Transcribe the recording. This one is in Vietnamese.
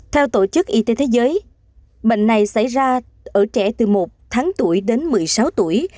theo tổ chức y tế thế giới bệnh này xảy ra ở trẻ từ một tháng tuổi đến một mươi sáu tuổi